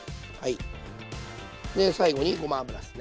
で最後にごま油ですね。